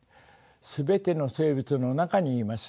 全ての生物の中にいます。